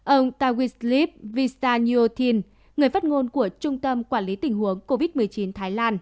ông tawis lip vistanyothin người phát ngôn của trung tâm quản lý tình huống covid một mươi chín thái lan